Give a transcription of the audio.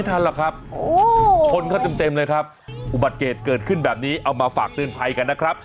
โอ้โหคนเขาเต็มเลยครับอุบัติเกตเกิดขึ้นแบบนี้เอามาฝากเตือนภัยกันนะครับ